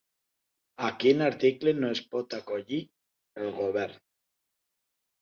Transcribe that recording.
A quin article no es pot acollir el govern?